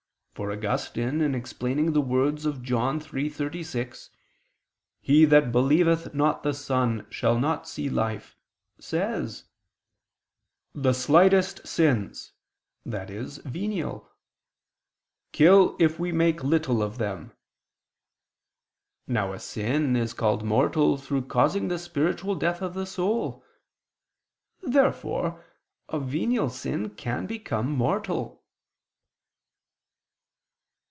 For Augustine in explaining the words of John 3:36: "He that believeth not the Son, shall not see life," says (Tract. xii in Joan.): "The slightest," i.e. venial, "sins kill if we make little of them." Now a sin is called mortal through causing the spiritual death of the soul. Therefore a venial sin can become mortal.